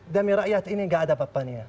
demi rakyat ini nggak ada apa apanya